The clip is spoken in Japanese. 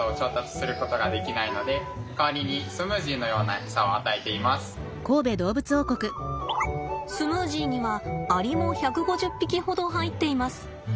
アリですがスムージーにはアリも１５０匹ほど入っています。